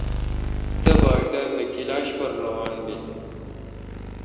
تے باگ دا بہ کلاش پر روان بیل۔